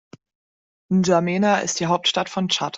N’Djamena ist die Hauptstadt von Tschad.